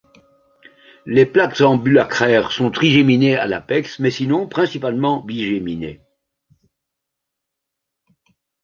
Les plaques ambulacraires sont trigéminées à l'apex mais sinon principalement bigéminées.